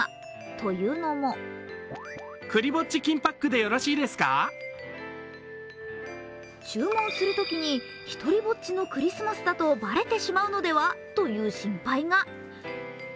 というのも注文するときにひとりぼっちのクリスマスとバレてしまう心配が。